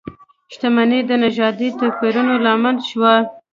شتمنۍ د نژادي توپیرونو لامل شوه.